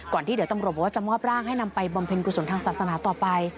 ที่เดี๋ยวตำรวจบอกว่าจะมอบร่างให้นำไปบำเพ็ญกุศลทางศาสนาต่อไป